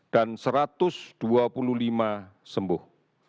dan satu ratus dua puluh lima sembuh